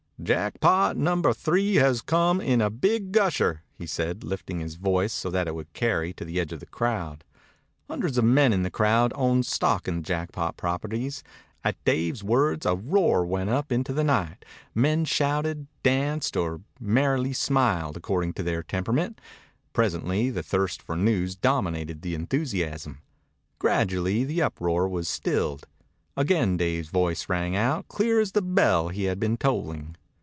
"Jackpot Number Three has come in a big gusher," he said, lifting his voice so that it would carry to the edge of the crowd. Hundreds of men in the crowd owned stock in the Jackpot properties. At Dave's words a roar went up into the night. Men shouted, danced, or merely smiled, according to their temperament. Presently the thirst for news dominated the enthusiasm. Gradually the uproar was stilled. Again Dave's voice rang out clear as the bell he had been tolling.